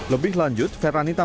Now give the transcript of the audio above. lebih lanjut feranita pandia